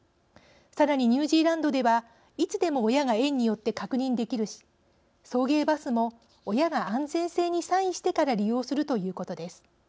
さらに、ニュージーランドではいつでも親が園に寄って確認できるし送迎バスも親が安全性にサインしてから利用する」ということです。